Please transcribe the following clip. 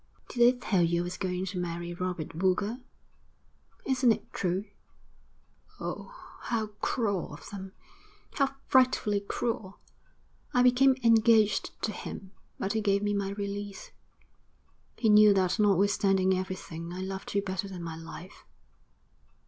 'Did they tell you I was going to marry Robert Boulger?' 'Isn't it true?' 'Oh, how cruel of them, how frightfully cruel! I became engaged to him, but he gave me my release. He knew that notwithstanding everything, I loved you better than my life.'